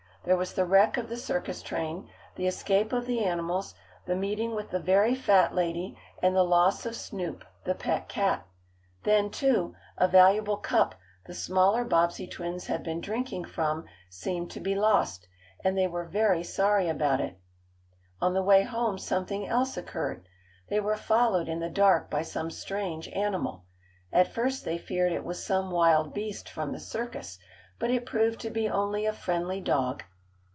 There was the wreck of the circus train, the escape of the animals, the meeting with the very fat lady, and the loss of Snoop, the pet cat. Then, too, a valuable cup the smaller Bobbsey twins had been drinking from, seemed to be lost, and they were very sorry about it. On the way home something else occurred. They were followed in the dark by some strange animal. At first they feared it was some wild beast from the circus but it proved to be only a friendly dog.